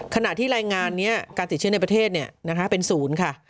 ขณะที่รายงานนี้การติดเชื้อในประเทศเป็นศูนย์ค่ะ